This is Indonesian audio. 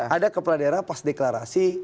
ada kepala daerah pas deklarasi